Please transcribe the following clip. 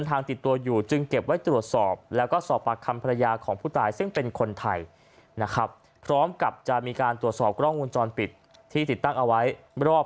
ทางติดตัวอยู่จึงเก็บไว้ตรวจสอบแล้วก็สอบปากคำภรรยาของผู้ตายซึ่งเป็นคนไทยนะครับพร้อมกับจะมีการตรวจสอบกล้องวงจรปิดที่ติดตั้งเอาไว้รอบ